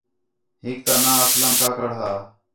ہِک تا ناں اسلم کاکڑ ہا